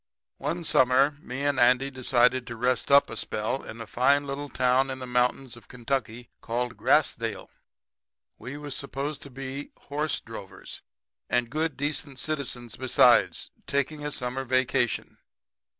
"One summer me and Andy decided to rest up a spell in a fine little town in the mountains of Kentucky called Grassdale. We was supposed to be horse drovers, and good decent citizens besides, taking a summer vacation.